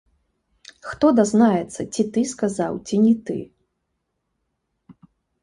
Хто дазнаецца, ці ты сказаў, ці не ты?